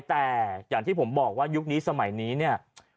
แต่อย่างที่ผมบอกว่ายุคนี้สมัยนี้เนี่ย